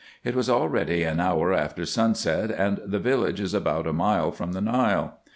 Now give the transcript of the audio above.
It was already an hour after sunset, and the village is about a mile from the Nile.